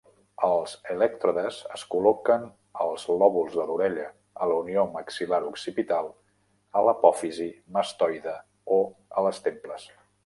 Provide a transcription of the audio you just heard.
Els elèctrodes es col·loquen als lòbuls de l"orella, a la unió maxil·lar-occipital, a l'apòfisi mastoide o a les temples.